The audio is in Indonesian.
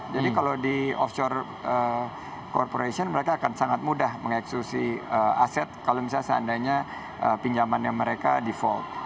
jadi kalau di offshore corporation mereka akan sangat mudah mengeksekusi aset kalau misalnya seandainya pinjamannya mereka default